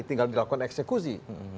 tinggal dilakukan eksekusi